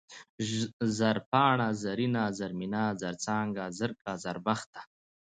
زرپاڼه ، زرينه ، زرمينه ، زرڅانگه ، زرکه ، زربخته